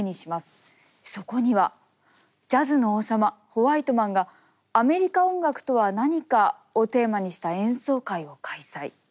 そこにはジャズの王様ホワイトマンが「アメリカ音楽とは何か」をテーマにした演奏会を開催。